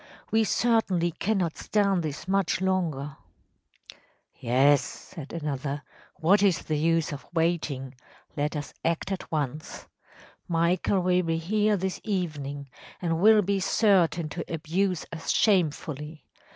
We certainly cannot stand this much longer.‚ÄĚ ‚ÄúYes,‚ÄĚ said another, “what is the use of waiting? Let us act at once. Michael will be here this evening, and will be certain to abuse us shamefully.